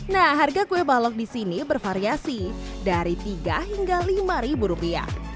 nah harga kue balok disini bervariasi dari tiga hingga lima ribu rupiah